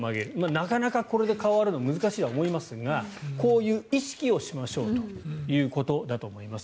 なかなかこれで顔を洗うのは難しいと思いますがこういう意識をしましょうということだと思います。